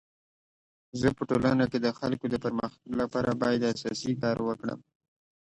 زه په ټولنه کي د خلکو د پرمختګ لپاره باید اساسي کار وکړم.